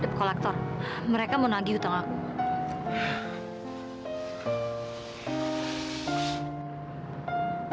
dep kolektor mereka mau nagih utang aku